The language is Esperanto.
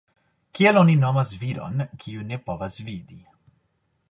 Kiel oni nomas viron, kiu ne povas vidi?